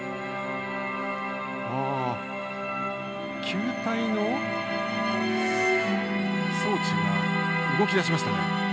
球体の装置が動き出しました。